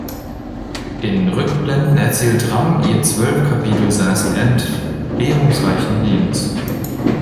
In Rückblenden erzählt Ram ihr zwölf Kapitel seines entbehrungsreichen Lebens.